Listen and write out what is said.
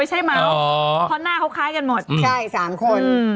ไม่ใช่แมวค้อนหน้าเค้าคล้ายกันหมดใช่๓คน